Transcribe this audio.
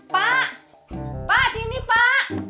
pak pak sini pak